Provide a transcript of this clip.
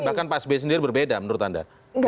bahkan pak s b sendiri berbeda menurut anda